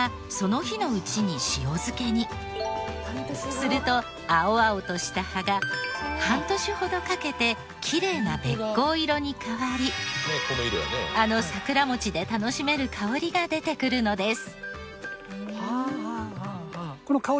すると青々とした葉が半年ほどかけてきれいなべっこう色に変わりあの桜餅で楽しめる香りが出てくるのです。